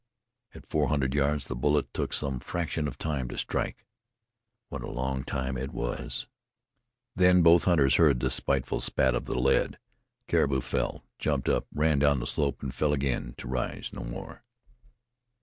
At four hundred yards the bullet took some fraction of time to strike. What a long time that was! Then both hunters heard the spiteful spat of the lead. The caribou fell, jumped up, ran down the slope, and fell again to rise no more.